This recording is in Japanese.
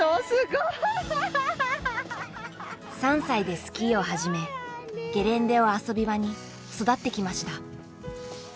すごい！３歳でスキーを始めゲレンデを遊び場に育ってきました。